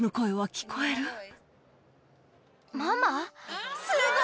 ママ？